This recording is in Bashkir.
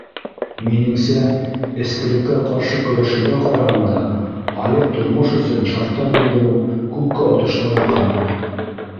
Минеңсә, эскелеккә ҡаршы көрәшеүгә ҡарағанда, айыҡ тормош өсөн шарттар булдырыу күпкә отошлораҡ һымаҡ.